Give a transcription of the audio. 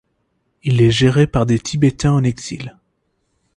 Il est géré par des Tibétains en exil.